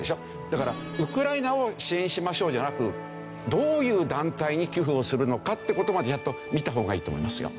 だから「ウクライナを支援しましょう」じゃなくどういう団体に寄付をするのかって事まで見た方がいいと思いますよ。